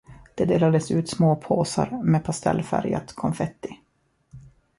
Det delades ut små påsar med pastellfärgat konfetti.